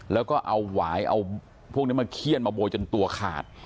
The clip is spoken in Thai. แล้วก็เอาหวายเอาพวกนี้มาเขี้ยนมาโบยจนตัวขาด